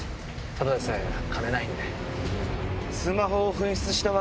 ただでさえ金ないんで。